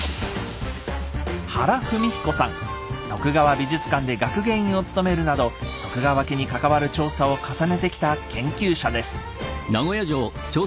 徳川美術館で学芸員を務めるなど徳川家に関わる調査を重ねてきた研究者です。